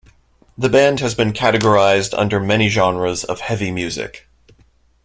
The band has been categorized under many genres of heavy music.